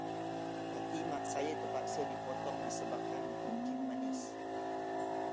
Kaki Mak saya terpaksa dipotong disebabkan kencing manis.